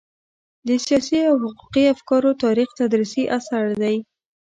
د سياسي او حقوقي افکارو تاریخ تدريسي اثر دی.